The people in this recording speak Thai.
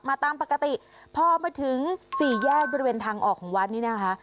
ตามปกติพอมาถึงสี่แยกบริเวณทางออกของวัดนี้นะคะ